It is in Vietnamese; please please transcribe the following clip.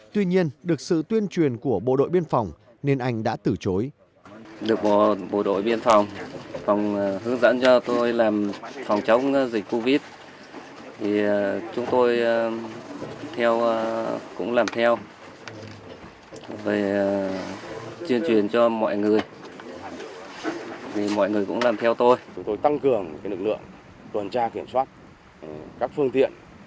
tuy nhiên được sự tuyên truyền của bộ đội biên phòng nên anh đã tử chối